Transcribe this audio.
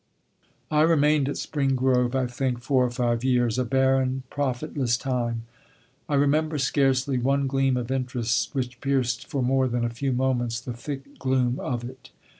I remained at Spring Grove, I think, four or five years, a barren, profitless time. I remember scarcely one gleam of interest which pierced for more than a few moments the thick gloom of it.